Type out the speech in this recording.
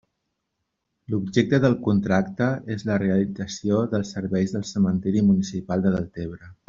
L'objecte del contracte és la realització dels serveis del cementiri municipal de Deltebre.